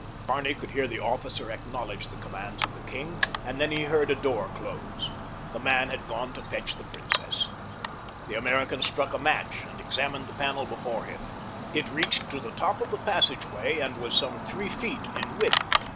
Barney could hear the officer acknowledge the commands of the king, and then he heard a door close. The man had gone to fetch the princess. The American struck a match and examined the panel before him. It reached to the top of the passageway and was some three feet in width.